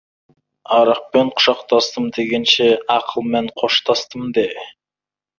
Арақпен құшақтастым дегенше, ақылмен қоштастым де.